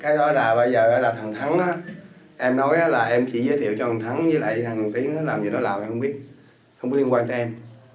cái đó là bây giờ là thằng thắng em nói là em chỉ giới thiệu cho thằng thắng với lại thằng thường tiến làm gì đó làm em không biết không có liên quan tới em